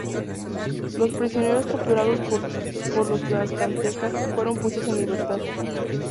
Los prisioneros capturados por los Tlaxcaltecas fueron puestos en libertad.